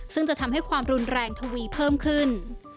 ซึ่งจะทำให้ความรุนแรงทวีเพิ่มขึ้น